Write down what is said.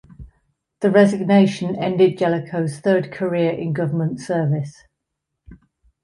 The resignation ended Jellicoe's third career in government service.